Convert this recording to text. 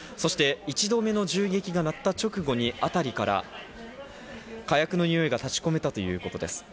１度目の銃撃が鳴った辺りから火薬のにおいが立ち込めたということです。